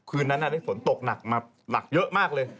คืนนั้นได้ฝนตกหนักมาหนักเยอะมากเลย